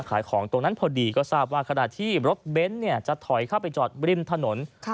ขายของตรงนั้นพอดีก็ทราบว่าขณะที่รถเบนท์จะถอยเข้าไปจอดริมถนน